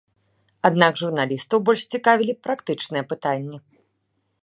Аднак журналістаў больш цікавілі практычныя пытанні.